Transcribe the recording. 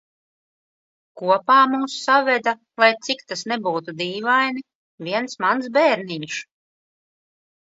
Kopā mūs saveda, lai cik tas nebūtu dīvaini, viens mans bērniņš.